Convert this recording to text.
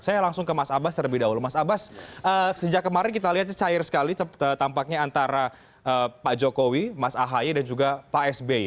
saya langsung ke mas abbas terlebih dahulu mas abbas sejak kemarin kita lihat cair sekali tampaknya antara pak jokowi mas ahaye dan juga pak sby